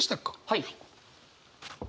はい。